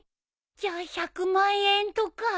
じゃあ１００万円とか？